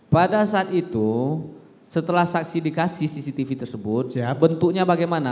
pada saat itu setelah saksi dikasih cctv tersebut bentuknya bagaimana